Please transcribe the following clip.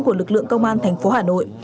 của lực lượng công an tp hà nội